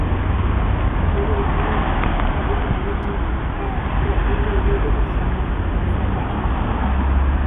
Oguejy imba'yrumýigui ha pya'evoi ojehecháma tesaparápe.